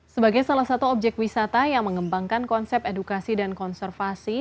sebagai salah satu objek wisata yang mengembangkan konsep edukasi dan konservasi